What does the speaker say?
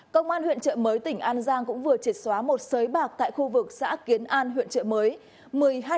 công an huyện trợ mới tỉnh an giang cũng vừa triệt xóa một sới bạc tại khu vực xã kiến an huyện trợ mới